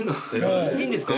いいんですか？